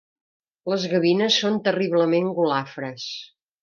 Les gavines són terriblement golafres.